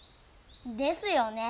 ですよね。